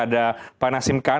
ada pak nasim khan